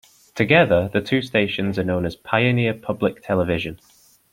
Together, the two stations are known as Pioneer Public Television.